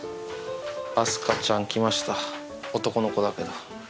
明日香ちゃん来ました男の子だけど。